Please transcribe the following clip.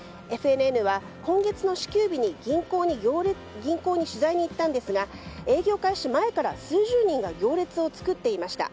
ＦＮＮは今月の支給日に銀行に取材に行ったんですが営業開始前から数十人が行列を作っていました。